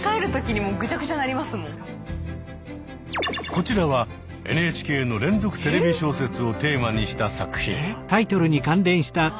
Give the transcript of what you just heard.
こちらはＮＨＫの「連続テレビ小説」をテーマにした作品。